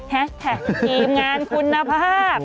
แฮทแฮททีมงานคุณภาพ